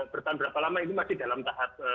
bertahan berapa lama itu masih dalam tahap